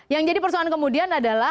yang jadi persoalan kemudian adalah